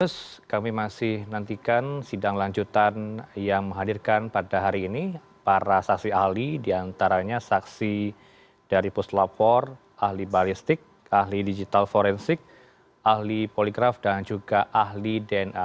terima kasih nantikan sidang lanjutan yang menghadirkan pada hari ini para saksi ahli diantaranya saksi dari puslapor ahli balistik ahli digital forensik ahli poligraf dan juga ahli dna